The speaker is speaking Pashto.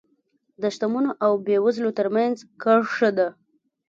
د شتمنو او بېوزلو ترمنځ کرښه ده.